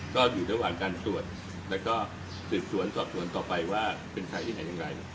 ก็อยู่ระหว่างการตรวจแล้วก็สืบสวนสอบสวนต่อไปว่าเป็นใครที่ไหนอย่างไร